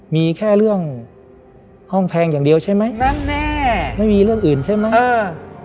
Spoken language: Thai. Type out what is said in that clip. มีแค่เรื่องห้องแพงอย่างเดียวใช่ไหมนั่นแน่ไม่มีเรื่องอื่นใช่ไหมอ่า